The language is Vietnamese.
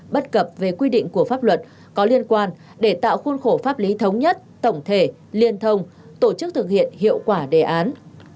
bất cập về quy định của pháp luật có liên quan để tạo khuôn khổ pháp lý thống nhất tổng thể liên thông tổ chức thực hiện hiệu quả đề án